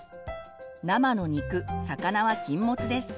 生の肉魚は禁物です。